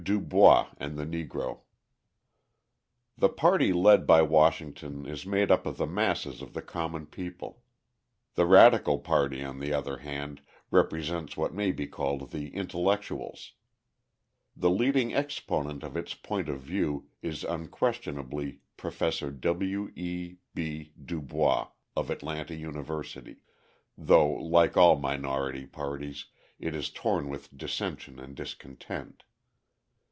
Du Bois and the Negro_ The party led by Washington is made up of the masses of the common people; the radical party, on the other hand, represents what may be called the intellectuals. The leading exponent of its point of view is unquestionably Professor W. E. B. Du Bois of Atlanta University though, like all minority parties, it is torn with dissension and discontent.